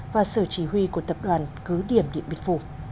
và sở chỉ huy của tập đoàn cứ điểm điện biên phủ